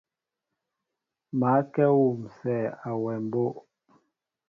Ma kɛ wusɛ awem mbóʼ.